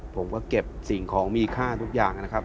ผมก็เก็บสิ่งของมีค่าทุกอย่างนะครับ